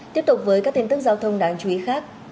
tiếp tục với các tin tức giao thông đáng chú ý khác